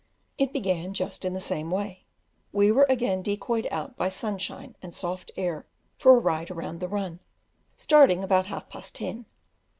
It began just in the same way; we were again decoyed out by sunshine and soft air for a ride round the run, starting about half past ten.